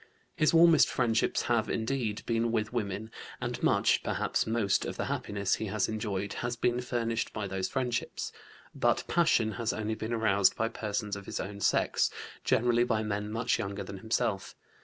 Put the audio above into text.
His warmest friendships have, indeed, been with women and much, perhaps most, of the happiness he has enjoyed has been furnished by those friendships. But passion has only been aroused by persons of his own sex, generally by men much younger than himself.